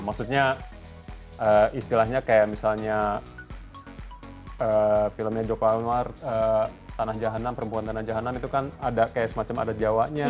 maksudnya istilahnya kayak misalnya filmnya joko anwar tanah jahanam perempuan tanah jahanan itu kan ada kayak semacam ada jawanya